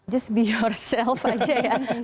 just be yourself aja ya